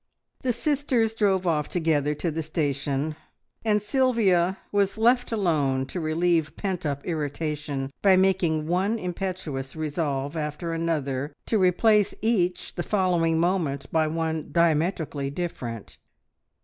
The sisters drove off together to the station, and Sylvia was left alone to relieve pent up irritation by making one impetuous resolve after another, to replace each the following moment by one diametrically different.